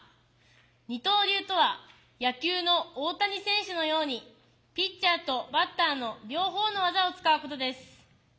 二刀流とは野球の大谷選手のようにピッチャーとバッターの両方の技を使うことです。